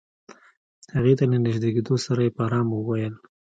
هغې ته له نژدې کېدو سره يې په آرامه وويل.